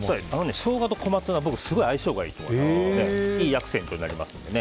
ショウガとコマツナ僕、すごい相性がいいと思っていいアクセントになりますのでね。